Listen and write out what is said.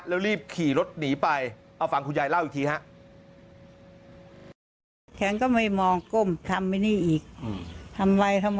แล้วรีบขี่รถหนีไปเอาฟังคุณยายเล่าอีกทีฮะ